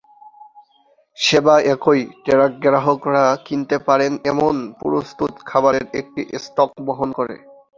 সেবা একই; ট্রাক গ্রাহকরা কিনতে পারেন এমন প্রস্তুত খাবারের একটি স্টক বহন করে।